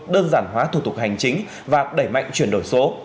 đơn giản hóa thủ tục hành chính và đẩy mạnh chuyển đổi số